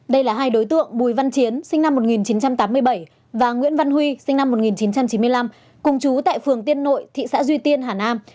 đây là hai đối tượng bùi văn chiến sinh năm một nghìn chín trăm tám mươi bảy và nguyễn văn huy sinh năm một nghìn chín trăm chín mươi năm cùng chú tại phường tiên nội thị xã duy tiên hà nam